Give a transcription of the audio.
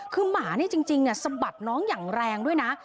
คือหมานี่จริงสะบัดน้องอย่างแรงด้วยนะ